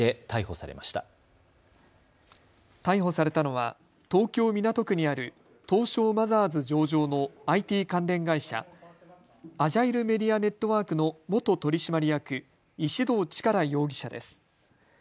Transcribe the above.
逮捕されたのは東京港区にある東証マザーズ上場のＩＴ関連会社、アジャイルメディア・ネットワークの元取締役、石動力容疑者です。